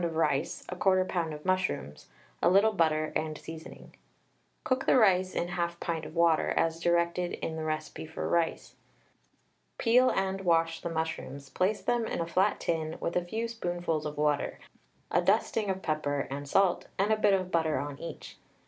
of rice, 1/4 lb. of mushrooms, a little butter and seasoning. Cook the rice in 1/2 pint of water, as directed in recipe for "Rice." Peel and wash the mushrooms, place them in a flat tin with a few spoonfuls of water, a dusting of pepper and salt and a bit of butter on each.